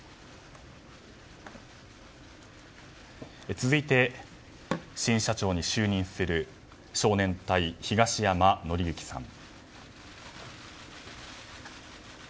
続いて新社長に就任する少年隊の東山紀之さん。